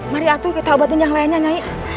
mari atuh kita obatin yang lainnya nyanyi